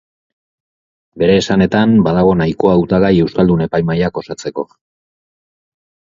Bere esanetan, badago nahikoa hautagai euskaldun epaimahaiak osatzeko.